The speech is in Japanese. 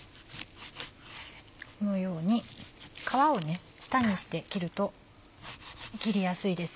このように皮を下にして切ると切りやすいです。